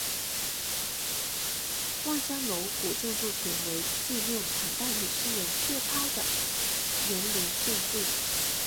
望江楼古建筑群为纪念唐代女诗人薛涛的园林建筑。